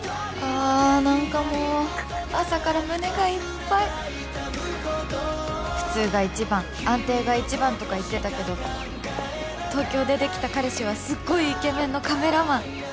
あ何かもう朝から胸がいっぱい普通が一番安定が一番とか言ってたけど東京でできた彼氏はすっごいイケメンのカメラマン